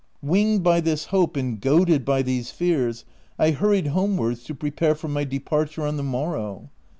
Winged by this hope, and goaded by these fears, I hurried homewards to prepare for my departure on the morrow.